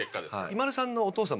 ＩＭＡＬＵさんのお父様